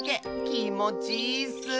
きもちいいッス！